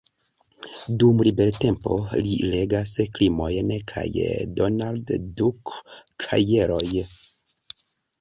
Dum libertempo li legas krimojn kaj Donald-Duck-kajeroj.